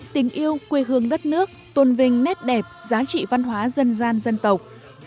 tình yêu quê hương đất nước tôn vinh nét đẹp giá trị văn hóa dân gian dân tộc